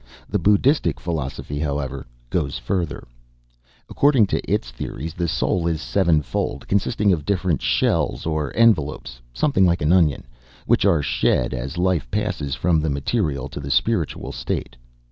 The Buddhistic philosophy, however, goes further. According to its theories, the soul is sevenfold, consisting of different shells or envelopes something like an onion which are shed as life passes from the material to the spiritual state.